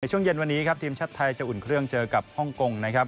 ในช่วงเย็นวันนี้ทีมชาติไทยจะอุ่นเครื่องเจอกับฮงกง